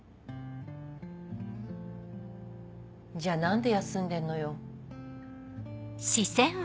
じゃあ何で休んでんのよ。